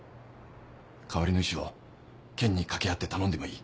代わりの医師を県に掛け合って頼んでもいい。